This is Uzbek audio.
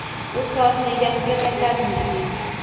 U soatni egasiga qaytardingiz.